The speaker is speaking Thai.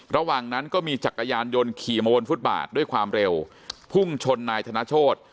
ระหว่างนั้นก็มีจักรยานยนต์ขี่มาบนฟุตบาทด้วยความเร็วพุ่งชนนายธนโชธ